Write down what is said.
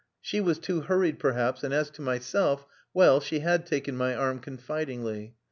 She was too hurried, perhaps, and as to myself well, she had taken my arm confidingly.